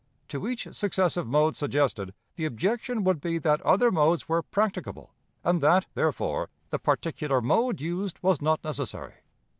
To each successive mode suggested, the objection would be that other modes were practicable, and that, therefore, the particular mode used was not 'necessary.'